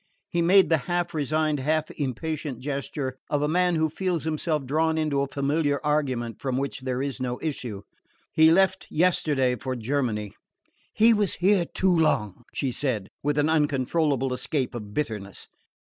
He made the half resigned, half impatient gesture of the man who feels himself drawn into a familiar argument from which there is no issue. "He left yesterday for Germany." "He was here too long!" she said, with an uncontrollable escape of bitterness.